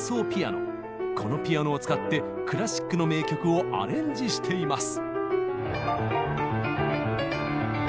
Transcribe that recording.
このピアノを使ってクラシックの名曲をアレンジしています。